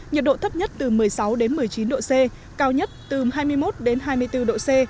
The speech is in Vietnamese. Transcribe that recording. nhiệt độ thấp nhất từ một mươi sáu đến một mươi chín độ c cao nhất từ hai mươi một đến hai mươi bốn độ c